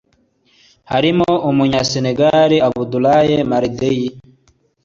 harimo Umunya- Sénégal Abdoulaye Mar Dieye